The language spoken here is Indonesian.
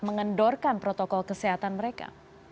mengendorkan protokol kesehatan mereka